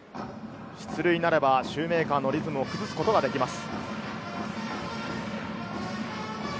出塁ならばシューメーカーのリズムを崩すことができます。